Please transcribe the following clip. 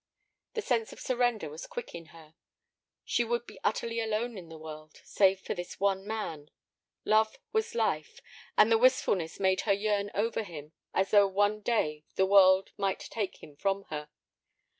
The sense of surrender was quick in her. She would be utterly alone in the world, save for this one man. Love was life. And the wistfulness made her yearn over him as though one day the world might take him from her.